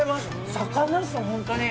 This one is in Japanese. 魚です、本当に。